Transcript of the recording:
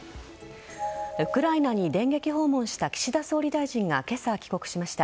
ウクライナに電撃訪問した岸田総理大臣が今朝、帰国しました。